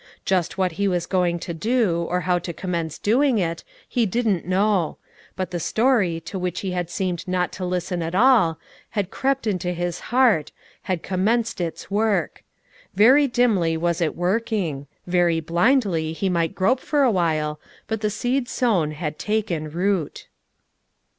Just what he was going to do, or how to commence doing it, he didn't know; but the story, to which he had seemed not to listen at all, had crept into his heart, had commenced its work; very dimly was it working, very blindly he might grope for a while, but the seed sown had taken root.